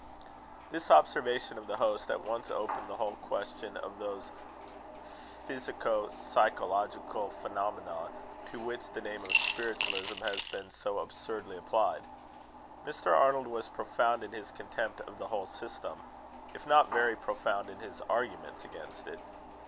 This observation of the host at once opened the whole question of those physico psychological phenomena to which the name of spiritualism has been so absurdly applied. Mr. Arnold was profound in his contempt of the whole system, if not very profound in his arguments against it.